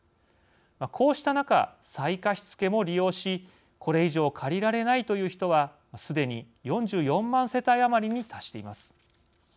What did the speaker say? こうした中、再貸付も利用しこれ以上借りられないという人はすでに４４万世帯余りに達しています。